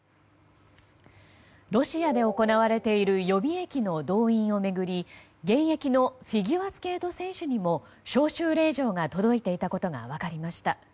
ロシアで行われている予備役の動員を巡り現役のフィギュアスケート選手にも招集令状が届いていたことが分かりました。